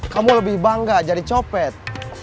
kamu lebih bangga jadi copet